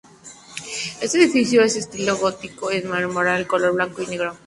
Este edificio, de estilo gótico, es de mármol de color blanco y negro.